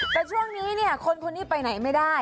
แต่ช่วงนี้เนี่ยคนคนนี้ไปไหนไม่ได้